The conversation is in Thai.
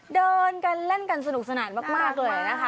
เดินกันเล่นกันสนุกสนานมากเลยนะคะ